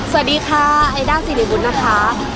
สวัสดีค่ะไอด้าสิริวุฒินะคะ